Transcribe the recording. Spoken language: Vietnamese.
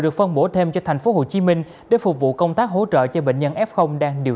được phân bổ thêm cho thành phố hồ chí minh để phục vụ công tác hỗ trợ cho bệnh nhân f đang điều